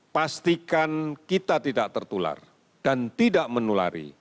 pastikan kita tidak tertular dan tidak menulari